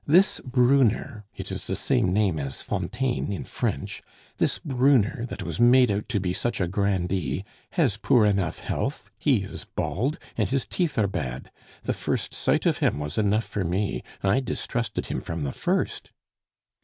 This Brunner (it is the same name as Fontaine in French) this Brunner, that was made out to be such a grandee, has poor enough health, he is bald, and his teeth are bad. The first sight of him was enough for me; I distrusted him from the first."